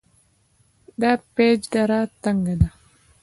د پیج دره تنګه ده